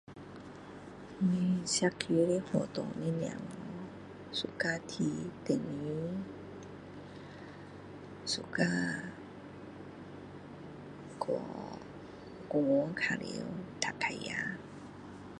我社区范围的小孩 suka 等于 suka 去公园玩骑脚车